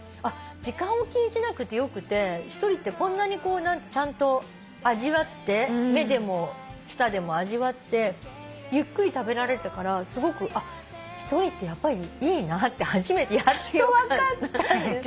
時間を気にしなくてよくて１人ってこんなにちゃんと味わって目でも舌でも味わってゆっくり食べられたからすごく１人ってやっぱりいいなって初めてやっと分かったんです。